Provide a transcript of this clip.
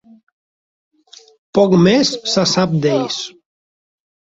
Poc més se sap d'ells.